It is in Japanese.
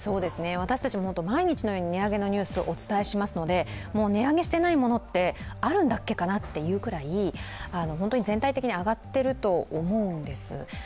私たちも本当に毎日値上げのニュースをお伝えしますので、もう値上げしてないものってあるんだっけかなっていうぐらい本当に全体的に上がっていると思うんです。